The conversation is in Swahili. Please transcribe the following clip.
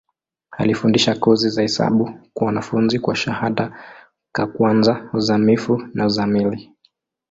Alifundisha kozi za hesabu kwa wanafunzi wa shahada ka kwanza, uzamivu na uzamili.